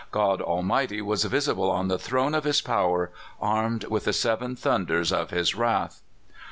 God Almighty was visible on the throne of his power, armed with the seven thunders of his wrath.